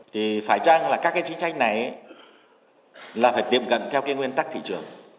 thì phải chăng là các cái chính sách này là phải tiệm cận theo cái nguyên tắc thị trường